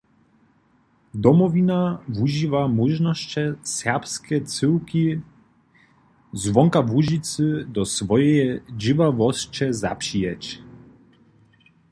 Domowina wužiła móžnosće serbske cyłki zwonka Łužicy do swojeje dźěławosće zapřijeć.